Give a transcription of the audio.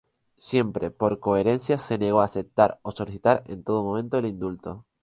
Siempre por coherencia, se negó a aceptar o solicitar en todo momento el indulto.